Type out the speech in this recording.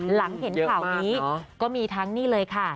หลังเห็นข่าวนี้ก็มีทั้งนี่เลยค่ะ